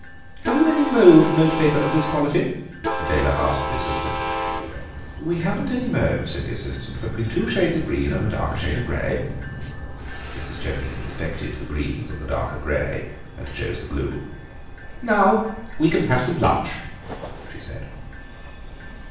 "Have you any mauve notepaper of this quality?" Adela asked the assistant. "We haven't any mauve," said the assistant, "but we've two shades of green and a darker shade of grey." Mrs. Chemping inspected the greens and the darker grey, and chose the blue. "Now we can have some lunch," she said.